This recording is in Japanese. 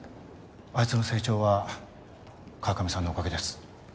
あいつの成長は川上さんのおかげです